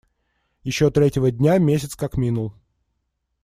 Еще третьего дня месяц как минул.